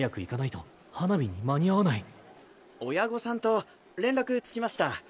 親御さんと連絡つきました。